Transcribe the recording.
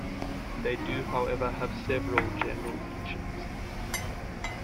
They do however have several general features.